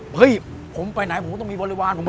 เฮ้ยผมไปไหนผมก็ต้องมีบริวารผม